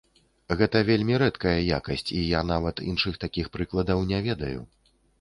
Гэта вельмі рэдкая якасць, і я нават іншых такіх прыкладаў не ведаю.